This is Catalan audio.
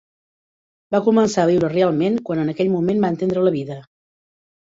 Va començar a viure realment quan en aquell moment va entendre la vida.